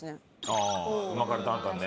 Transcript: ああうま辛担々ね。